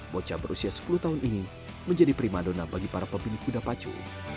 bocah berusia sepuluh tahun ini menjadi prima dona bagi para pemilik kuda pacu